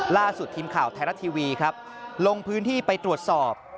ล่าสุดทีมข่าวไทยรัฐทีวีครับลงพื้นที่ไปตรวจสอบ